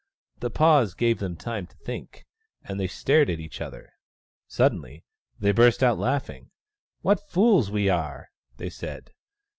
The pause gave them time to think, and they stared at each other. Suddenly they burst out laughing. " What fools we are !" they said.